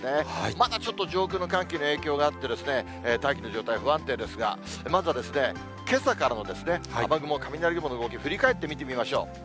まだちょっと上空の寒気の影響があってですね、大気の状態不安定ですが、まずはけさからの雨雲、雷雲の動き、振り返って見てみましょう。